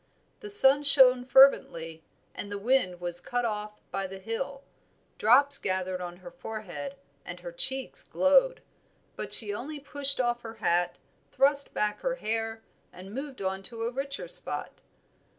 The sun shone fervently and the wind was cut off by the hill, drops gathered on her forehead and her cheeks glowed; but she only pushed off her hat, thrust back her hair, and moved on to a richer spot.